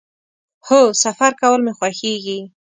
هو، سفر کول می خوښیږي